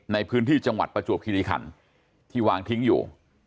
ในพื้นที่จังหวัดประจวบคิริคันที่วางทิ้งอยู่